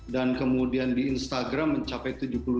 dan berita berita itu telah dibagikan sebanyak satu enam juta kali